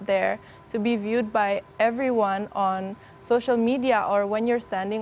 anda harus berterus terang untuk melihat diri anda di luar sana